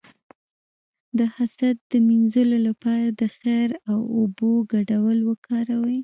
د حسد د مینځلو لپاره د خیر او اوبو ګډول وکاروئ